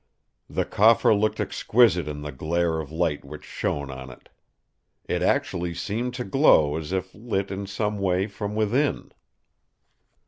The coffer looked exquisite in the glare of light which shone on it. It actually seemed to glow as if lit in some way from within.